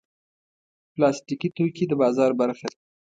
پلاستيکي توکي د بازار برخه ده.